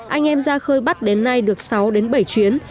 anh em ra khơi bắt đến nay được sáu đến bảy chuyến